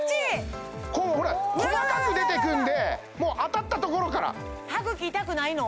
ここもほら細かく出てくるんでうわわわわもう当たったところから歯茎痛くないの？